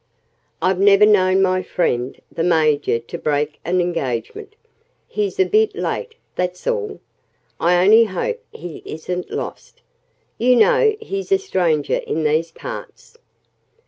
"I've never known my friend the Major to break an engagement. He's a bit late that's all. I only hope he isn't lost. You know he's a stranger in these parts."